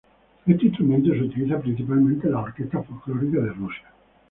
Este instrumento se utiliza principalmente en las orquestas folklóricas de Rusia.